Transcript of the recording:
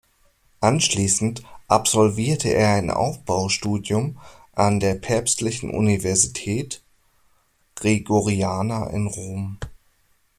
Anschließend absolvierte er ein Aufbaustudium an der Päpstlichen Universität Gregoriana in Rom.